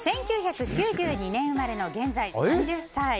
１９９２年生まれの現在３０歳。